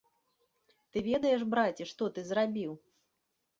Ты ведаеш, браце, што ты зрабіў?